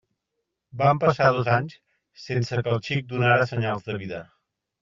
Van passar dos anys sense que el xic donara senyals de vida.